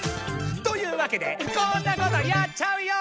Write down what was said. というわけでこんなことやっちゃうよ！